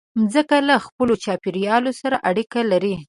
مځکه له خپل چاپېریال سره اړیکه لري.